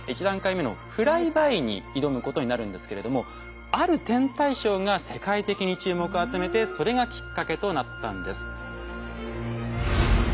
１段階目のフライバイに挑むことになるんですけれどもある天体ショーが世界的に注目を集めてそれがきっかけとなったんです。